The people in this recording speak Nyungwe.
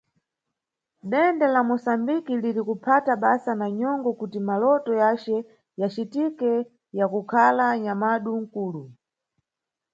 Dende la Musambiki liri kuphata basa na nyongo kuti maloto yace yacitike ya kukhala nyamadu nkulu.